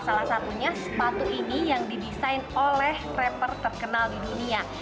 salah satunya sepatu ini yang didesain oleh rapper terkenal di dunia